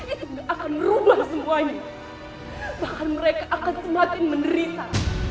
itu akan berubah semuanya bahkan mereka akan semakin menderita